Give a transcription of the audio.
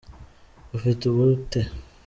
ufite ubute